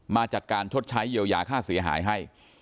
มาจัดการชดใช้เยียวยาค่าเสียหายให้